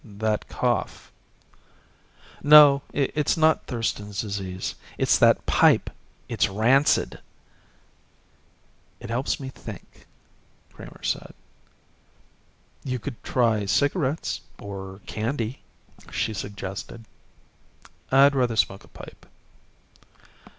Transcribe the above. "That cough " "No, it's not Thurston's Disease. It's that pipe. It's rancid." "It helps me think," Kramer said. "You could try cigarettes or candy," she suggested. "I'd rather smoke a pipe."